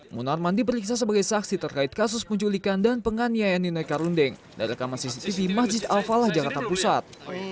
munarman diperiksa sebagai saksi terkait kasus penculikan dan penganiayaan ninoi karundeng dari rekaman cctv masjid al falah jakarta pusat